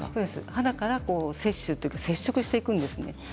肌から摂取というか接触していきます。